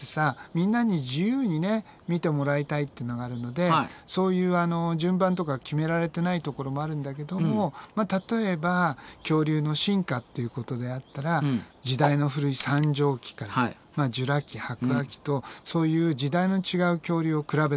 みんなに自由にね見てもらいたいってのがあるのでそういうあの順番とか決められてないところもあるんだけども例えば恐竜の進化っていうことであったら時代の古い三畳紀からジュラ紀白亜紀とそういう時代の違う恐竜を比べてみようとかさ。